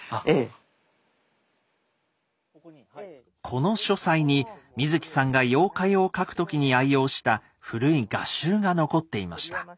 この書斎に水木さんが妖怪を描く時に愛用した古い画集が残っていました。